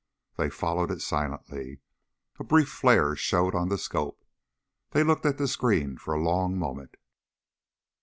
They followed it silently. A brief flare showed on the scope. They looked at the screen for a long moment.